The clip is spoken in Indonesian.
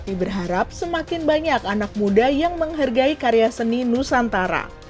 tapi berharap semakin banyak anak muda yang menghargai karya seni nusantara